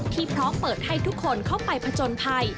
ที่เพราะเปิดให้ทุกคนเข้าไปผจญภัย